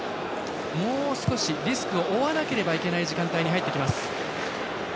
もう少しリスクを負わなければいけない時間帯に入っていきます。